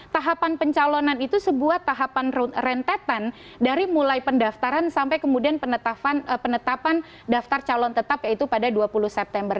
tahapan pencalonan itu sebuah tahapan rentetan dari mulai pendaftaran sampai kemudian penetapan daftar calon tetap yaitu pada dua puluh september